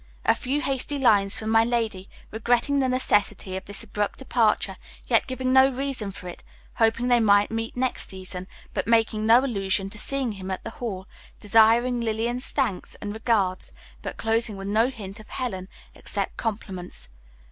A few hasty lines from my lady, regretting the necessity of this abrupt departure, yet giving no reason for it, hoping they might meet next season, but making no allusion to seeing him at the Hall, desiring Lillian's thanks and regards, but closing with no hint of Helen, except compliments.